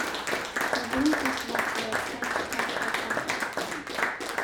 Der Wohnplatz war zu der Zeit stark verfallen.